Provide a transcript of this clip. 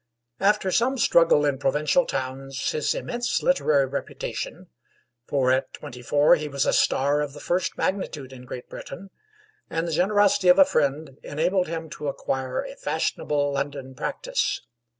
After some struggle in provincial towns, his immense literary reputation for at twenty four he was a star of the first magnitude in Great Britain and the generosity of a friend enabled him to acquire a fashionable London practice.